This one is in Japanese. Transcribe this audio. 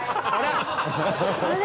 あれ？